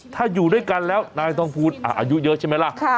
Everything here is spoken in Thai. ถ้าอยู่ด้วยกันแล้วนายทองภูลอายุเยอะใช่ไหมล่ะ